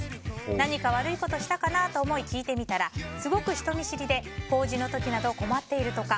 何か悪いことをしたかなと思い聞いてみたらすごく人見知りで法事の時など困っているとか。